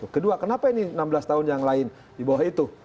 kedua kenapa ini enam belas tahun yang lain di bawah itu